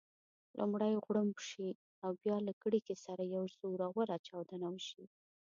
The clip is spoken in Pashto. لومړی غړومب شي او بیا له کړېکې سره یوه زوروره چاودنه وشي.